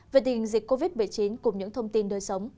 về tình hình dịch covid một mươi chín cùng những thông tin đời sống